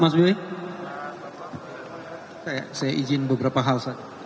saya izin beberapa hal